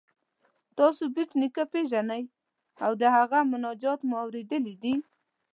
تاسو بېټ نیکه پيژنئ او د هغه مناجات مو اوریدلی دی؟